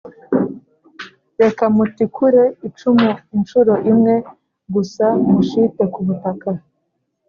Reka mutikure icumu incuro imwe gusa mushite ku butaka